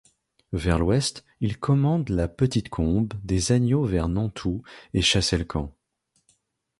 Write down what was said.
Vers l'ouest, il commande la petite combe des Agneux vers Nantoux et Chassey-le-Camp.